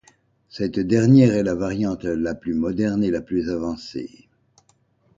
Cette dernière est la variante la plus moderne et la plus avancée.